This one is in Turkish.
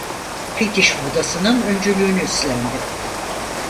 Fetiş modasının öncülüğünü üstlendi.